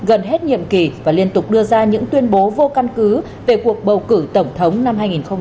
gần hết nhiệm kỳ và liên tục đưa ra những tuyên bố vô căn cứ về cuộc bầu cử tổng thống năm hai nghìn hai mươi